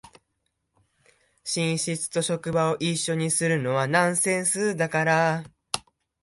寝室と職場を一緒にするのはナンセンスだから